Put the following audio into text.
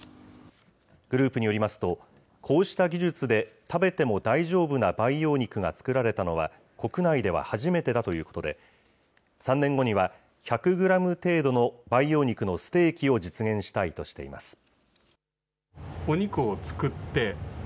グループによりますと、こうした技術で、食べても大丈夫な培養肉が作られたのは国内では初めてだということで、３年後には１００グラム程度の培養肉のステーキを実現したいとしています。